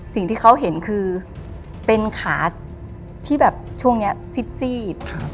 สิ่งที่เขาเห็นคือเป็นขาที่แบบช่วงนี้ซีด